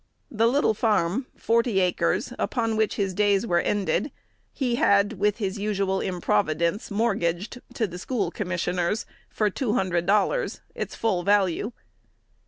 The little farm (forty acres) upon which his days were ended, he had, with his usual improvidence, mortgaged to the School Commissioners for two hundred dollars, its full value.